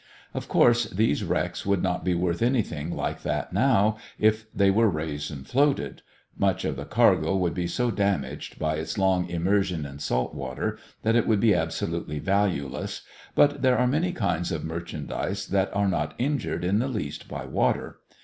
Of course these wrecks would not be worth anything like that now, if they were raised and floated. Much of the cargo would be so damaged by its long immersion in salt water that it would be absolutely valueless, but there are many kinds of merchandise that are not injured in the least by water.